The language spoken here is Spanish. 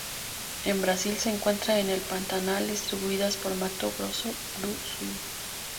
En Brasil se encuentra en el Pantanal distribuidas por Mato Grosso do Sul.